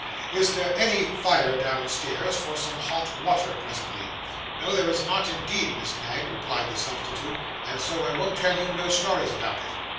'Is there any fire downstairs for some hot water presently?' 'No there is not, indeed, Miss Knag,' replied the substitute; 'and so I won't tell you no stories about it.